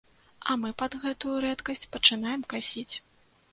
А мы пад гэтую рэдкасць пачынаем касіць.